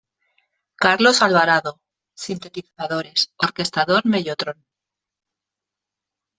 Carlos Alvarado- sintetizadores, orquestador mellotron.